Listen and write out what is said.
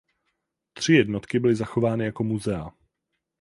Tři jednotky byly zachovány jako muzea.